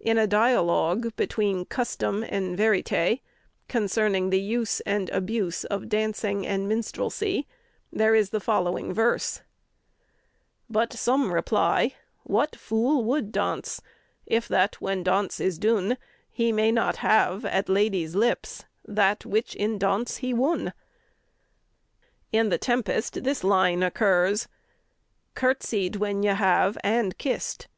In a dialogue between Custom and Verite, concerning the use and abuse of dancing and minstrelsie, is the following verse: But some reply, what fool would daunce, If that, when daunce is doone, He may not have, at lady's lips, That which in daunce he woon. In the "Tempest" this line occurs: Curtsied when you have and kissed.